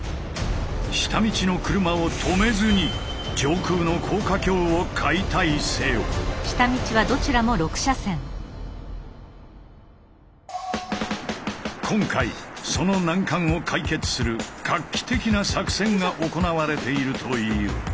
下道の車を止めずに今回その難関を解決する画期的な作戦が行われているという。